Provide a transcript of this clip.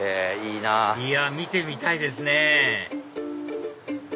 いや見てみたいですね